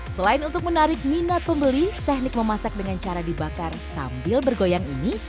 selain untuk menarik minat pembeli teknik memasak dengan cara dibakar sambil bergoyang ini